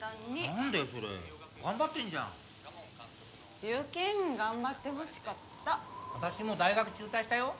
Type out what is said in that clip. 何だよそれ頑張ってんじゃん受験頑張ってほしかった私も大学中退したよ